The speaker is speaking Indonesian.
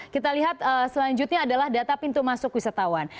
kita lihat selanjutnya adalah data pintu masuk wisatawan